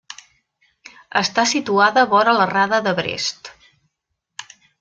Està situada vora la rada de Brest.